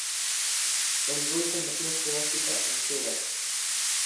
El gol que metió Sudáfrica entera